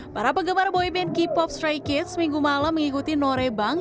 para penggemar boyband k pop stray kids minggu malam mengikuti norebang